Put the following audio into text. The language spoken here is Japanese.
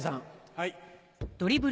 はい。